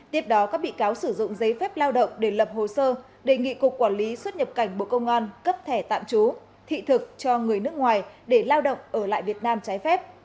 tiếp đó các bị cáo sử dụng giấy phép lao động để lập hồ sơ đề nghị cục quản lý xuất nhập cảnh bộ công an cấp thẻ tạm trú thị thực cho người nước ngoài để lao động ở lại việt nam trái phép